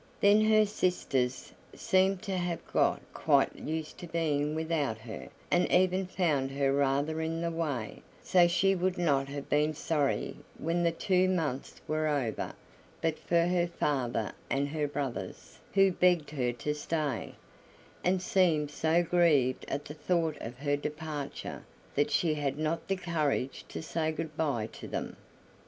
Then her sisters seemed to have got quite used to being without her, and even found her rather in the way, so she would not have been sorry when the two months were over but for her father and brothers, who begged her to stay, and seemed so grieved at the thought of her departure that she had not the courage to say good by to them.